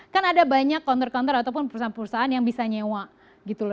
kan ada banyak counter kontor ataupun perusahaan perusahaan yang bisa nyewa gitu loh